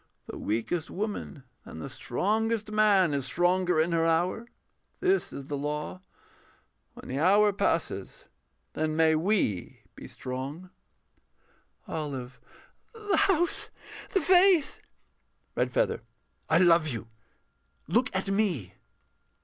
The weakest woman than the strongest man Is stronger in her hour: this is the law. When the hour passes then may we be strong. OLIVE [wildly.] The House ... the Face. REDFEATHER [fiercely]. I love you. Look at me!